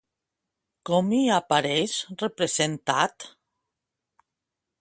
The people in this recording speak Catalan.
Com hi apareix representat?